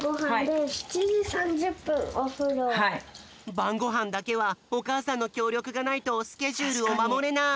ばんごはんだけはおかあさんのきょうりょくがないとスケジュールをまもれない。